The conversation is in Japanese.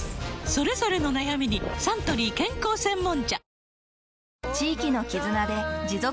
それぞれの悩みにサントリー健康専門茶